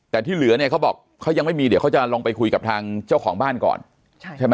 แต่ที่เหลือเนี่ยเขาบอกเขายังไม่มีเดี๋ยวเขาจะลองไปคุยกับทางเจ้าของบ้านก่อนใช่ไหม